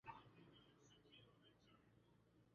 vijana na wazee piaHapa tutaongelea aina mbili za